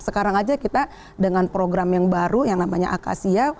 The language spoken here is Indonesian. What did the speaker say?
sekarang aja kita dengan program yang baru yang namanya akasia